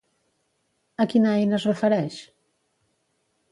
A quina eina es refereix?